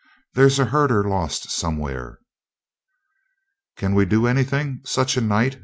"There's a herder lost somewhere." "Can we do anything such a night?"